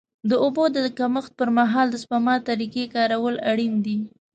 د اوبو د کمښت پر مهال د سپما طریقې کارول اړین دي.